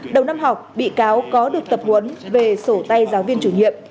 đầu năm học bị cáo có được tập huấn về sổ tay giáo viên chủ nhiệm